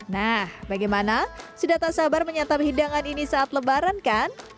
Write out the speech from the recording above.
nah bagaimana sudah tak sabar menyantap hidangan ini saat lebaran kan